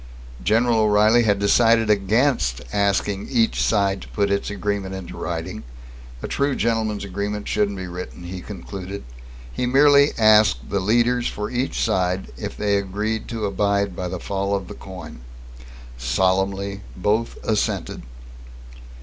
General O'Reilly had decided against asking each side to put its agreement into writing. A true gentleman's agreement shouldn't be written, he concluded. He merely asked the leaders for each side if they agreed to abide by the fall of the coin. Solemnly, both assented.